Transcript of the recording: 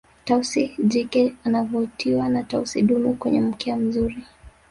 tausi jike anavutiwa na tausi dume mwenye mkia mzuri